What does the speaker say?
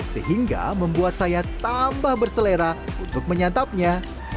sehingga membuat saya tambah berselera untuk menyantapnya